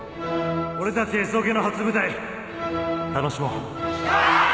俺たちＳオケの初舞台楽しもうはーい！